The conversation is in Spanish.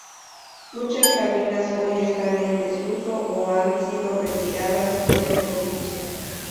Muchas cabinas hoy están en desuso o han sido retiradas del servicio.